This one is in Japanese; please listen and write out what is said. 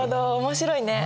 面白いね。